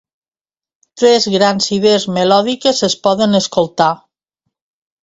Tres grans idees melòdiques es poden escoltar.